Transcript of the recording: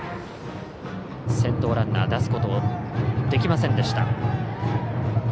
先頭ランナー出すことできませんでした。